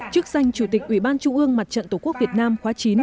chức danh chủ tịch ủy ban trung ương mặt trận tổ quốc việt nam khóa chín